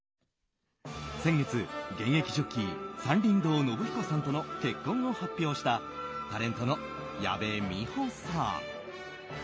先日、現役ジョッキー山林堂信彦さんとの結婚を発表したタレントの矢部美穂さん。